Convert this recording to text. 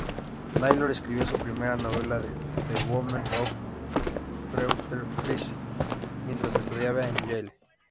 Naylor escribió su primera novela, "The Women of Brewster Place", mientras estudiaba en Yale.